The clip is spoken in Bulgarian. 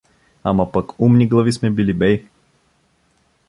Ама пък умни глави сме били, бей!